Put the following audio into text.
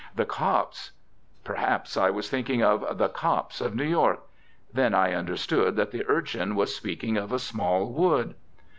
The copse? Perhaps I was thinking of the "cops" of New York. Then I understood that the urchin was speaking of a small wood.